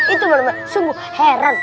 itu bener bener sungguh heran